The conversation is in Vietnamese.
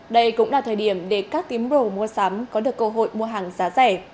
đây cũng là thời điểm để các tím bồ mua sắm có được cơ hội mua hàng giá rẻ